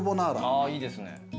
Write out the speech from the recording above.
あいいですね。